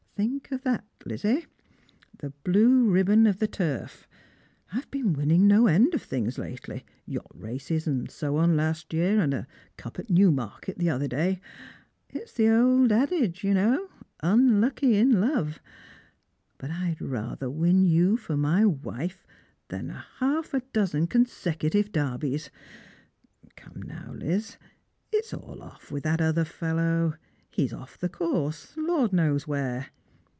Think of that, Lizzie — the blue ribbon of the turf. I've been winning no end of things lately; yacht races and so on last year, and a cup at Newmarket the other day. It's the old adage, you know : unlucky in love But I'd rather win you for my wife than half a dozen consecutive Derbies. Come now, Liz, it's all off with that other fellow ; he's off the course, the Lord knows whore.